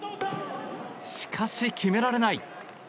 しかし決められない。